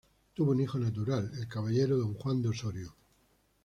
Tuvo un hijo natural, el caballero don Juan de Osorio.